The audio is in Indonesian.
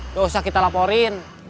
nggak usah kita laporin